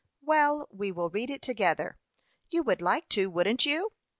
"Well, we will read it together. You would like to wouldn't you?"